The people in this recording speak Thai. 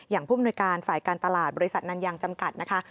ผู้มนุยการฝ่ายการตลาดบริษัทนันยางจำกัดนะคะ